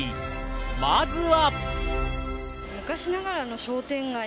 まずは。